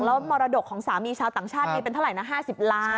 ต้องมรดกของสามีขาวต่างชาติเป็น๕๐ล้านบาท